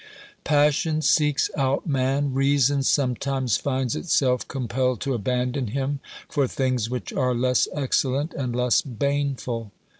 Passion seeks out man, reason sometimes finds itself compelled to abandon him for things which are less excellent and less baneful.